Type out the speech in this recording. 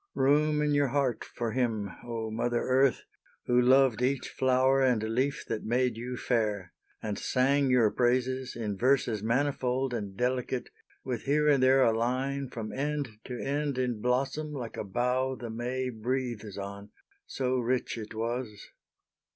. Room in your heart for him, O Mother Earth, Who loved each flower and leaf that made you fair, And sang your praise in verses manifold And delicate, with here and there a line From end to end in blossom like a bough The May breathes on, so rich it was.